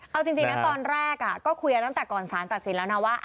เอาจริงนะตอนแรกก็คุยกันตั้งแต่ก่อนสารตัดสินแล้วนะว่า